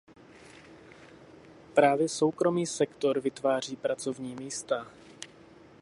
Právě soukromý sektor vytváří pracovní místa.